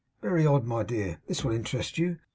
Very odd. My dear, this will interest you.